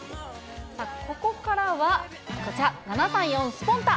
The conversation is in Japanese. ここからは、こちら、７３４スポンタっ。